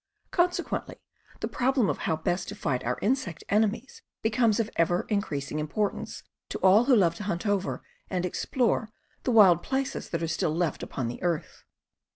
Consequently the problem of how best to fight our insect enemies becomes of ever increasing importance to all who love to hunt over and explore the wild places that are still left upon the earth.